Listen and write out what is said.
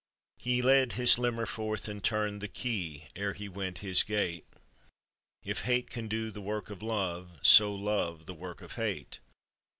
He led his limmer forth, and turned The key ere he went his gait: " If hate can do the work of love, So love the work of hate."